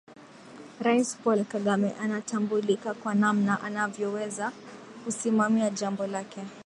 Rais Paul Kagame anatambulika kwa namna anavyoweza kusimamia jambo lake